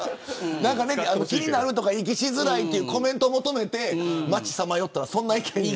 気になるとか、息しづらいというコメントを求めて街、さまよったらそんな意見で。